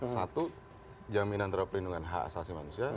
satu jaminan terhadap perlindungan hak asasi manusia